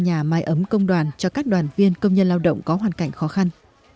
nhà máy ấm công đoàn cho các đoàn viên công nhân lao động có hoàn cảnh khó khăn